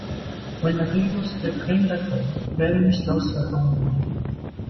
When Lathyros reclaimed the throne, Berenice lost her own rule.